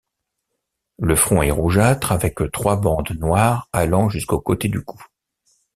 Le front est rougeâtre avec trois bandes noires allant jusqu'aux côtés du cou.